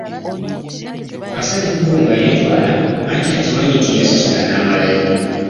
Asala ekkubo nga yeetwala anti akimanyi nti yasasula n'amalayo.